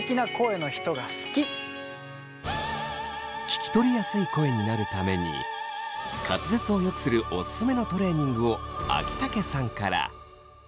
聞き取りやすい声になるために滑舌をよくするオススメのトレーニングを秋竹さんから。